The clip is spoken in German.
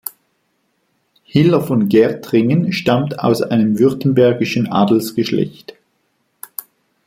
Hiller von Gaertringen stammt aus einem württembergischen Adelsgeschlecht.